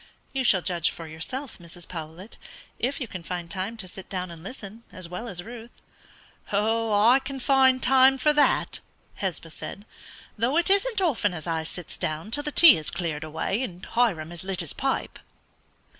"You shall judge for yourself, Mrs. Powlett, if you can find time to sit down and listen, as well as Ruth." "I can find time for that," Hesba said, "though it isn't often as I sits down till the tea is cleared away and Hiram has lit his pipe."